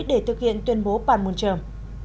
để thực hiện tuyên bố bàn muôn trờm